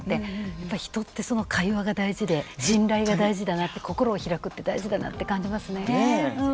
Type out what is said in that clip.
やっぱ人って会話が大事で信頼が大事だなって心を開くって大事だなって感じますね。